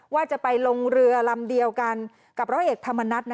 ว่าจะไปลงเรือลำเดียวกันกับร้อยเอกธรรมนัฐ